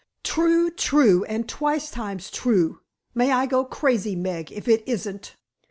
"True! true! and twice times true. May I go crazy, Meg, if it isn't.